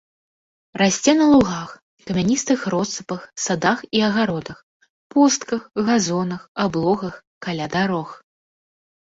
Расце на лугах, камяністых россыпах, садах і агародах, пустках, газонах, аблогах, каля дарог.